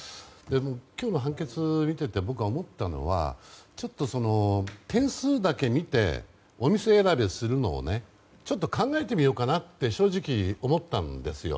今日の判決を見て思ったのはちょっと点数だけ見てお店選びをするのをちょっと考えてみようかなって正直、思ったんですよ。